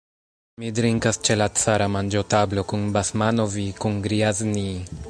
Mi drinkas ĉe la cara manĝotablo kun Basmanov'j, kun Grjaznij'j.